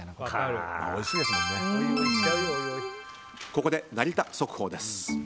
ここで成田速報です。